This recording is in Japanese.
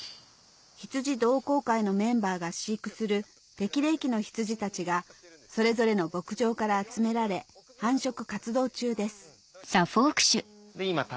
羊同好会のメンバーが飼育する適齢期の羊たちがそれぞれの牧場から集められ繁殖活動中です